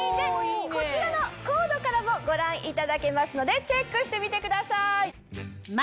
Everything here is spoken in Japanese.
こちらのコードからもご覧いただけますのでチェックしてみてください。